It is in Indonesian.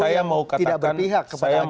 yang tidak berpihak kepada agen negara